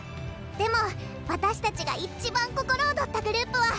でも私たちが一番心踊ったグループは。